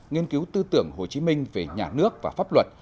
nghiên cứu tư tưởng hồ chí minh về nhà nước và pháp luật